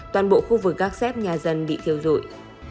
toàn bộ khu vực gác xếp nhà dân bị thiếu rụi